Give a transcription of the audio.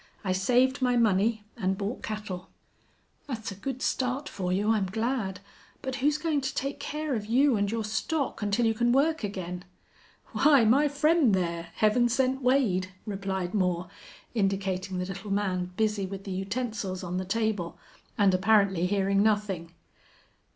I saved my money and bought cattle." "That's a good start for you. I'm glad. But who's going to take care of you and your stock until you can work again?" "Why, my friend there, Heaven Sent Wade," replied Moore, indicating the little man busy with the utensils on the table, and apparently hearing nothing.